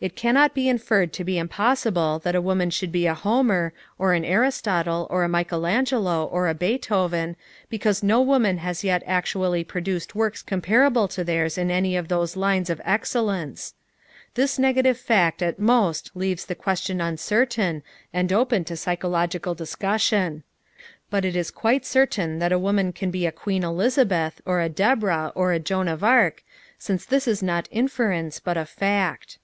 It cannot be inferred to be impossible that a woman should be a Homer, or an Aristotle, or a Michaelangelo, or a Beethoven, because no woman has yet actually produced works comparable to theirs in any of those lines of excellence. This negative fact at most leaves the question uncertain and open to psychological discussion. But it is quite certain that a woman can be a Queen Elizabeth or a Deborah or a Joan of Arc, since this is not inference but a fact."